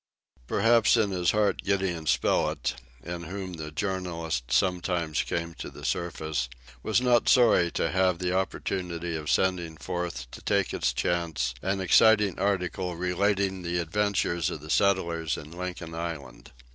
Perhaps in his heart Gideon Spilett, in whom the journalist sometimes came to the surface, was not sorry to have the opportunity of sending forth to take its chance an exciting article relating the adventures of the settlers in Lincoln Island.